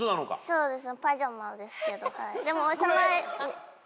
そうです。